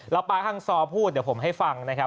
แล้วป๊าฮังซอพูดเดี๋ยวผมให้ฟังนะครับ